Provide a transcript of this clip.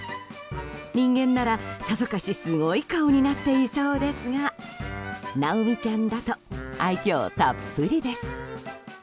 人間なら、さぞかしすごい顔になっていそうですがなおみちゃんだと愛嬌たっぷりです。